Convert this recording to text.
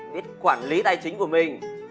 biết quản lý tài chính của mình